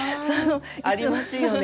あありますよね